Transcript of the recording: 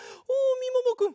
みももくん